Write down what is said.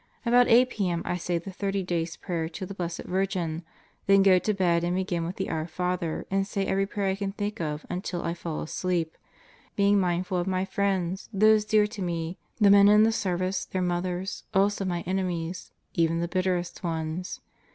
About 8 p.m. I say the 30 days' prayer to the Blessed Virgin, then go to bed and begin with the Our Father and say every prayer I can think of until I fall asleep, being mindful of my friends, those dear to me, the men in the Service, their mothers, also my enemies, even the bitterest ones.